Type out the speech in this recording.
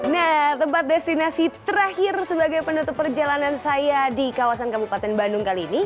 nah tempat destinasi terakhir sebagai penutup perjalanan saya di kawasan kabupaten bandung kali ini